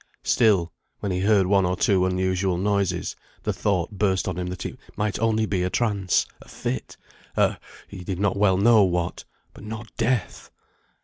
Still, when he heard one or two unusual noises, the thought burst on him that it might only be a trance, a fit, a he did not well know what, but not death!